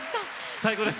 最高です！